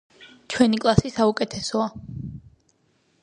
ჩვენი კლასი საუკეთესოა